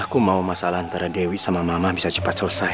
aku mau masalah antara dewi sama mama bisa cepat selesai